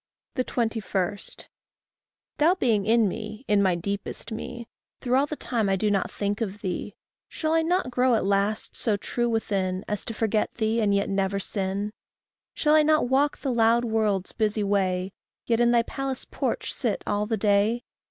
21. Thou being in me, in my deepest me, Through all the time I do not think of thee, Shall I not grow at last so true within As to forget thee and yet never sin? Shall I not walk the loud world's busy way, Yet in thy palace porch sit all the day?